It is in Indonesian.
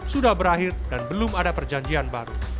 sudah berakhir dan belum ada perjanjian baru